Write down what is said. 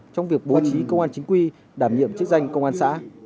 trong việc bố trí công an chính quy đảm nhiệm chức danh công an xã